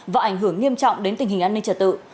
và ảnh hưởng nghiêm trọng đến tình hình an ninh trật tự